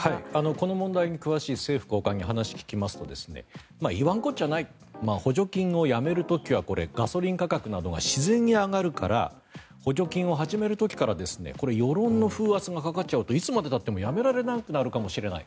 この問題に詳しい政府高官に話を聞きますと言わんこっちゃない補助金をやめる時はガソリン価格などが自然に上がるから補助金を始める時からこれ世論の風圧がかかっちゃうといつまでたってもやめられなくなるかもしれない。